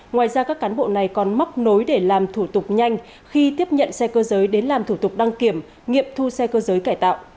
ngoài ra các cán bộ này còn móc nối để làm thủ tục nhanh khi tiếp nhận xe cơ giới đến làm thủ tục đăng kiểm nghiệm thu xe cơ giới cải tạo